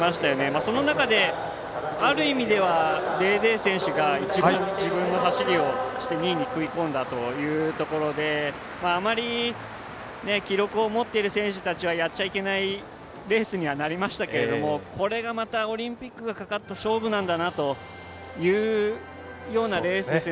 その中である意味ではデーデー選手が一番、自分の走りをして２位に食い込んだというところであまり、記録を持っている選手たちはやっちゃいけないレースにはなりましたけどこれがまたオリンピックがかかった勝負なんだなというようなレースですね。